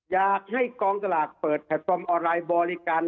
อยากให้กองสลากเปิดแพลตฟอร์มออนไลน์บริการ